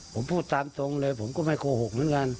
ผมพูดตามตรงเลยผมก็ไม่โกหกเหมือนกัน